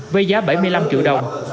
với giá bảy mươi năm triệu đồng